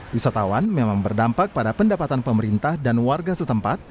wisatawan memang berdampak pada pendapatan pemerintah dan warga setempat